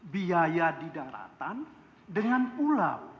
biaya di daratan dengan pulau